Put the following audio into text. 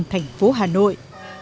thành phố hà nội